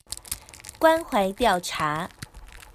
關懷調查